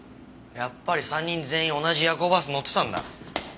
やっぱり３人全員同じ夜行バスに乗ってたんだ。